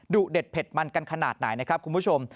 เด็ดเผ็ดมันกันขนาดไหนนะครับคุณผู้ชม